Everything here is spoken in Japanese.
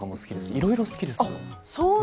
いろいろ好きです。